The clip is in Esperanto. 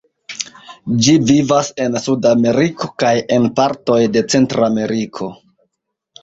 Ĝi vivas en Sudameriko, kaj en partoj de Centrameriko.